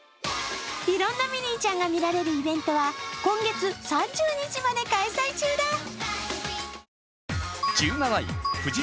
いろいろなミニーちゃんが見られるイベントは今月３０日まで開催だ。